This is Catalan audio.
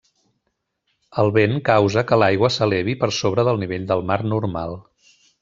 El vent causa que l'aigua s'elevi per sobre del nivell del mar normal.